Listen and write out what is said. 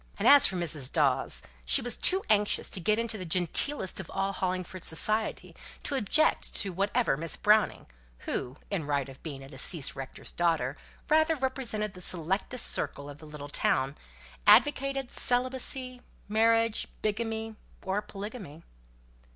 And as for Mrs. Dawes, she was too anxious to get into the genteelest of all (Hollingford) society to object to whatever Miss Browning (who, in right of being a deceased rector's daughter, rather represented the selectest circle of the little town) advocated, whether celibacy, marriage, bigamy, or polygamy.